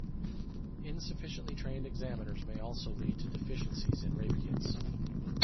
Insufficiently trained examiners may also lead to deficiencies in rape kits.